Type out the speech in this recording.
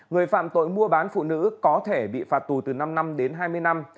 người phạm tội mua bán phụ nữ có thể bị phạt tù từ năm năm đến hai mươi năm